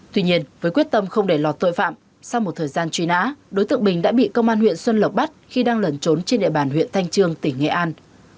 tuy nhiên với quyết tâm không để lọt tội phạm sau một thời gian truy nã đối tượng bình đã bị công an huyện xuân lộc bắt khi đang lẩn trốn trên địa bàn huyện thanh trương tỉnh nghệ an